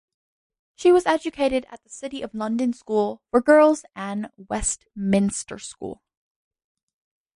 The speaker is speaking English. She was educated at the City of London School for Girls and Westminster School.